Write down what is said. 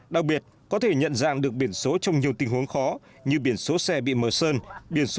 đặc biệt có thể nhận dạng được biển số trong nhiều tình huống khó như biển số xe bị mờ sơn biển số